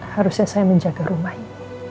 harusnya saya menjaga rumah ini